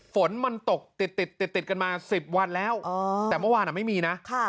ฝนมันตกติดติดติดติดกันมาสิบวันแล้วอ๋อแต่เมื่อวานอ่ะไม่มีน่ะค่ะ